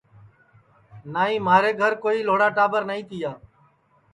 نائی مھارے گھر کوئی لھوڑا ٹاٻر نائی تیا